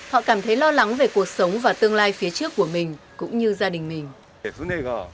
họ cảm thấy lo lắng về cuộc sống và tương lai phía trước của mình cũng như gia đình mình